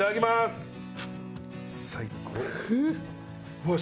うわっ！